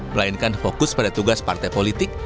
melainkan fokus pada tugas partai politik